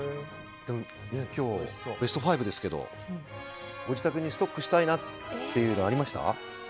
今日ベスト５ですけどご自宅にストックしたいなっていうのありました？